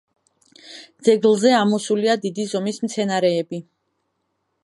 ძეგლზე ამოსულია დიდი ზომის მცენარეები.